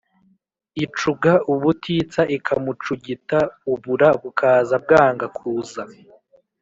icuga ubutitsa ikamucuglta ubura bukaza bwanga ku za